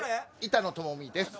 板野友美です